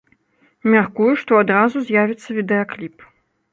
Мяркую, што адразу з'явіцца відэакліп.